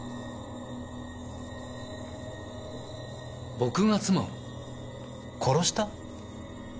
僕が妻を殺した？